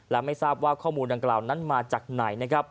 และไม่ทราบว่าข้อมูลดังกล่าวนั้นมาจากไหนนะครับ